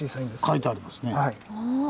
書いてありますね。